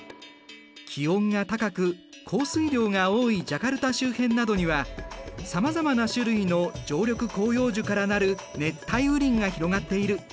気温が高く降水量が多いジャカルタ周辺などにはさまざまな種類の常緑広葉樹から成る熱帯雨林が広がっている。